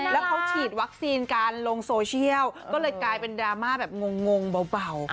แล้วเขาฉีดวัคซีนการลงโซเชียลก็เลยกลายเป็นดราม่าแบบงงเบา